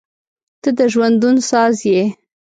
• ته د ژوندون ساز یې.